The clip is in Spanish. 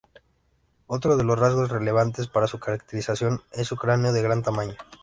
Otro de los rasgos relevantes para su caracterización es su cráneo de gran tamaño.